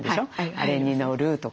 あれに乗るとか。